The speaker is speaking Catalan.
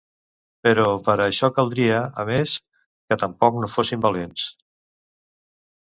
Però per a això caldria, a més, que tampoc no fossin valents.